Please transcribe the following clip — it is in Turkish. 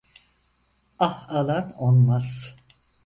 Ah alan onmaz.